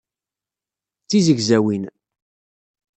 D tizegzawin.